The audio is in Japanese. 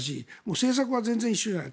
政策は全然一緒じゃない。